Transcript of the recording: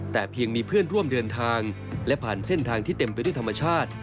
แต่เพียงมีเพื่อนร่วมเดินทางและผ่านเส้นทางที่เต็มไปด้วยธรรมชาติ